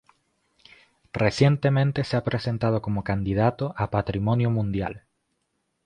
recientemente se ha presentado como candidato a Patrimonio Mundial